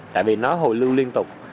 tại vì nó hồi lưu liên tục